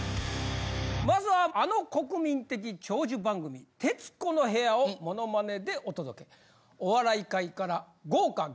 まずはあの国民的長寿番組『徹子の部屋』をモノマネでお届け。